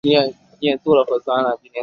他目前居住在木头村所创造的村落。